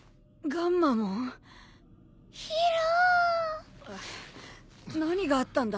ガンマモン進化！